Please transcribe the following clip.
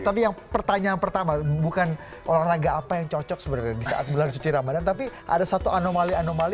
tapi yang pertanyaan pertama bukan olahraga apa yang cocok sebenarnya di saat bulan suci ramadhan tapi ada satu anomali anomali